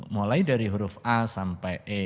mulai dari huruf a sampai e